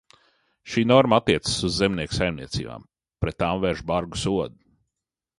Šī norma attiecas uz zemnieku saimniecībām, pret tām vērš bargu sodu.